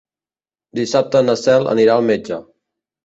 Dissabte na Cel anirà al metge.